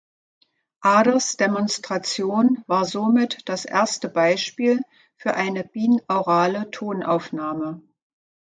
Aders Demonstration war somit das erste Beispiel für eine binaurale Tonaufnahme.